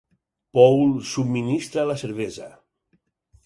Poul subministra la cervesa.